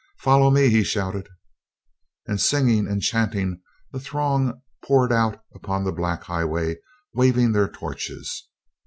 "Follow me!" he shouted. And, singing and chanting, the throng poured out upon the black highway, waving their torches.